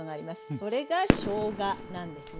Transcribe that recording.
それがしょうがなんですね。